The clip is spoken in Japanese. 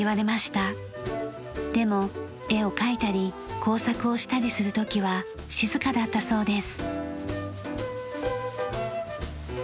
でも絵を描いたり工作をしたりする時は静かだったそうです。